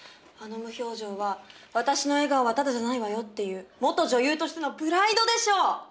あの無表情は「私の笑顔はただじゃないわよ」っていう元女優としてのプライドでしょう！